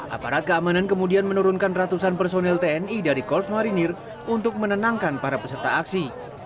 aparat keamanan kemudian menurunkan ratusan personil tni dari korps marinir untuk menenangkan para peserta aksi